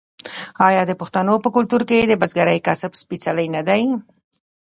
آیا د پښتنو په کلتور کې د بزګرۍ کسب سپیڅلی نه دی؟